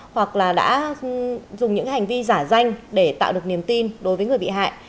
hoặc là đã dùng những hành vi giả danh để tạo được niềm tin đối với người bị hại